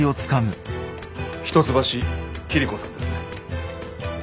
一橋桐子さんですね。